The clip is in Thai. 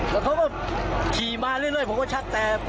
แล้วเขาก็ขี่มาเรื่อยผมก็ชักแตก